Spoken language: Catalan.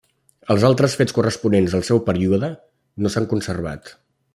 Els altres fets corresponents al seu període no s’han conservat.